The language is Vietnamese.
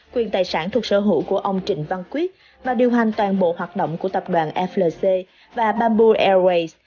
quyền tài sản thuộc sở hữu của ông trịnh văn quyết và điều hành toàn bộ hoạt động của tập đoàn flc và bamboo airways